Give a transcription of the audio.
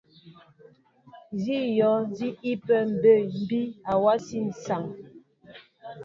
Sí myɔ̂ sí ipí byɛ̂ ḿbí awasí sááŋ.